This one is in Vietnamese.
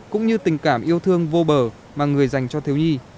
cũng như tình cảm yêu thương vô bờ mà người dành cho thiếu nhi